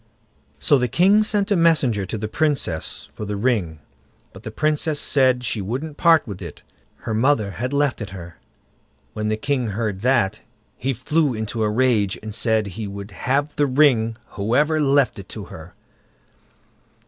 So the king sent a messenger to the Princess for the ring; but the Princess said she wouldn't part with it, her mother had left it her. When the king heard that, he flew into a rage, and said he would have the ring, whoever left it to her.